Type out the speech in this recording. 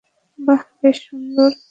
বাহ, বেশ সুন্দর!